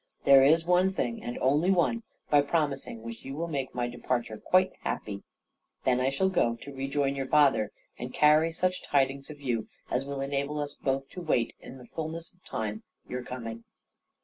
There is one thing, and only one, by promising which you will make my departure quite happy. Then I shall go to rejoin your father, and carry such tidings of you, as will enable us both to wait, in the fulness of time, your coming."